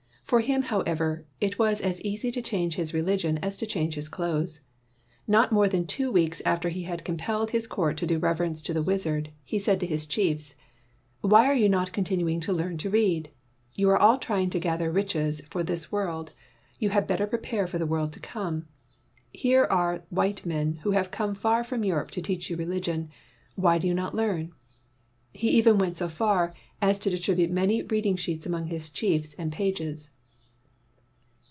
For him, however, it was as easy to change his reli gion as to change his clothes. Not more than two weeks after he had compelled his court to do reverence to the wizard, he said to his chiefs : ''Why are you not continuing to learn to read? You are all trying to gather riches for this world. You had better prepare for the world to come. Here are white men who have come far from Europe to teach you religion. Why do you not learn V He even went so far as to distribute many 135 WHITE MAN OF WORK reading sheets among Ms chiefs and pages.